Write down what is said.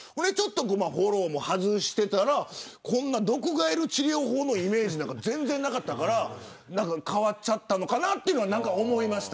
フォローを外していたらこんな毒ガエル治療法のイメージなんか全然なかったから変わっちゃったのかなとは思いました。